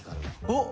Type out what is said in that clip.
おっ！